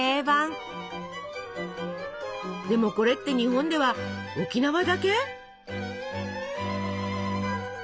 でもこれって日本では沖縄だけ？